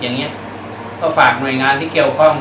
อย่างนี้ก็ฝากหน่วยงานที่เกี่ยวข้อง